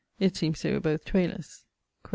It seemes they were both taylers quod N.